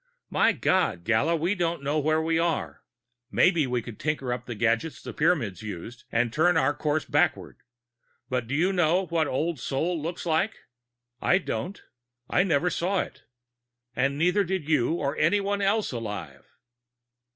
My God, Gala, we don't know where we are. Maybe we could tinker up the gadgets the Pyramids used and turn our course backward but do you know what Old Sol looks like? I don't. I never saw it. "And neither did you or anyone else alive.